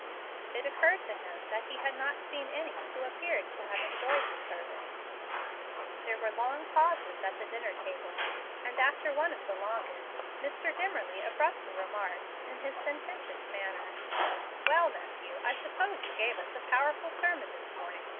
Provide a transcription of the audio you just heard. It occurred to him that he had not seen any who appeared to have enjoyed the service. There were long pauses at the dinner table, and after one of the longest, Mr. Dimmerly abruptly remarked, in his sententious manner: "Well, nephew, I suppose you gave us a powerful sermon this morning.